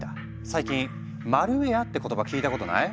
最近「マルウェア」って言葉聞いたことない？